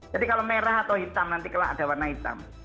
jadi kalau merah atau hitam nanti kalau ada warna hitam